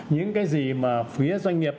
những cái gì mà phía doanh nghiệp